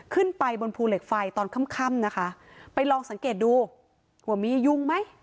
ขึ้นไปบนภูเหล็กไฟตอนค่ำค่ำนะคะไปลองสังเกตดูว่ามียุงไหม